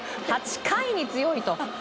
８回に強いと。